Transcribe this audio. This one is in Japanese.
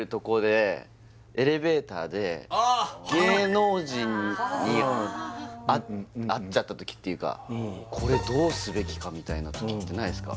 あの芸能人に会っちゃった時っていうかこれどうすべきかみたいな時ってないですか？